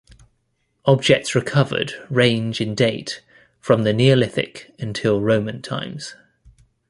Objects recovered range in date from the Neolithic until Roman times.